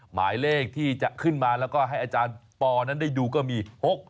หมายเลขที่จะขึ้นมาแล้วก็ให้อาจารย์ปอนั้นได้ดูก็มี๖๖